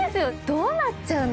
どうなっちゃうの？